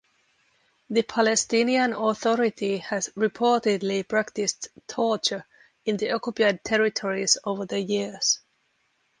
The Palestinian Authority has reportedly practiced torture in the occupied territories over the years.